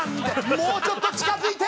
もうちょっと近付いて！